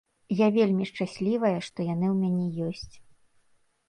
Я вельмі шчаслівая, што яны ў мяне ёсць.